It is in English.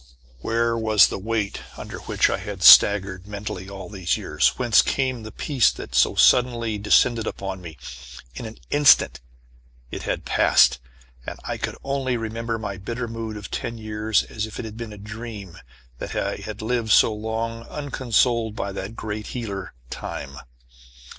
Where was the weight under which I had staggered, mentally, all these years? Whence came the peace that had so suddenly descended upon me? In an instant it had passed, and I could only remember my bitter mood of ten years as if it had been a dream that I had lived so long unconsoled by that great healer, Time.